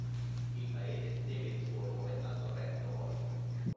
Il paese deve il suo nome al torrente omonimo.